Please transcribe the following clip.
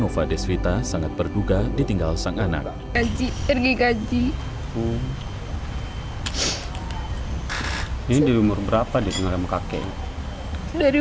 fadiswita sangat berduga ditinggal sang anak gaji gaji ini umur berapa di tengah kakek dari